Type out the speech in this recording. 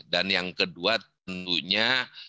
dan yang kedua tentunya